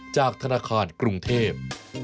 จากธนาคารกรุงเทพ